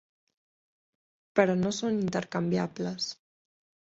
Però no són intercanviables.